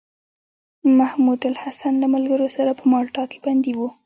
محمودالحسن له ملګرو سره په مالټا کې بندي و.